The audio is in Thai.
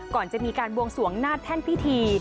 ก่อนจะมีการบวงสวงหน้าแท่นพิธี